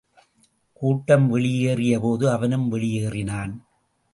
கூட்டம் வெளியேறியபோது, அவனும் வெளியேறினான்.